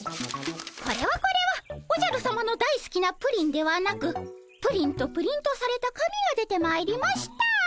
これはこれはおじゃるさまのだいすきなプリンではなく「プリン」とプリントされた紙が出てまいりました。